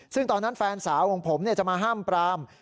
ซึ่งตอนนั้นแฟนสาวของผมจะมาห้ามปราม